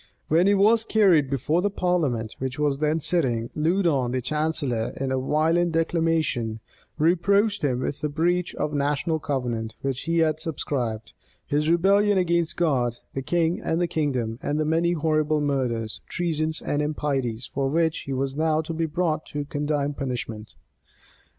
When he was carried before the parliament, which was then sitting, Loudon, the chancellor, in a violent declamation, reproached him with the breach of the national covenant, which he had subscribed; his rebellion against God, the king, and the kingdom; and the many horrible murders, treasons, and impieties for which he was now to be brought to condign punishment.